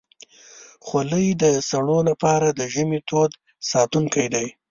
خولۍ د سړو لپاره د ژمي تود ساتونکی ده.